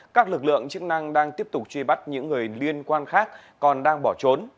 các lực lượng chức năng đang tiếp tục truy bắt những người liên quan khác còn đang bỏ trốn